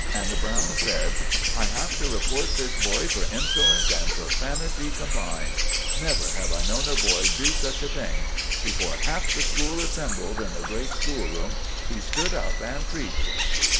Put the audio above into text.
And Browne said— "I have to report this boy for insolence and profanity combined. Never have I known a boy do such a thing. Before half the school assembled in the great school room he stood up and preached."